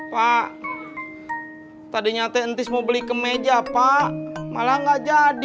pak tadinya tis mau beli kemeja pak malah gak jadi